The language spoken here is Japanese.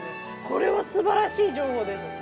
これはすばらしい情報です。